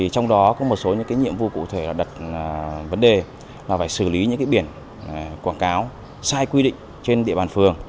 trong đó có một số những nhiệm vụ cụ thể là đặt vấn đề là phải xử lý những biển quảng cáo sai quy định trên địa bàn phường